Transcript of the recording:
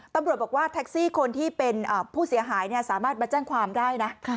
ตำรวจบอกว่าแท็กซี่คนที่เป็นผู้เสียหายสามารถมาแจ้งความได้นะ